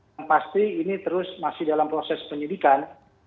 yang pasti ini terus masih dalam proses penyidikan